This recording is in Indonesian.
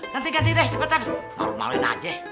nanti ganti deh cepetan normalin aja